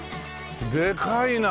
でかいな。